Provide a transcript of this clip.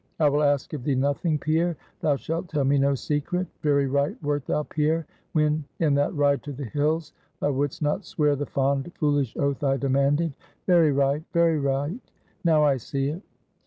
I will ask of thee nothing, Pierre; thou shalt tell me no secret. Very right wert thou, Pierre, when, in that ride to the hills, thou wouldst not swear the fond, foolish oath I demanded. Very right, very right; now I see it.